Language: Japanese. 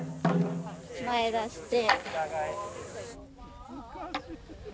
前出して。